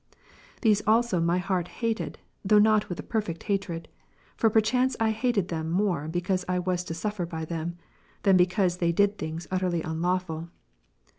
These also my heart hated, Ps. 139, though not ivith a perfect hatred : for perchance I hated ^^' them more because I was to suffer by them, than because they did things utterly unlawful.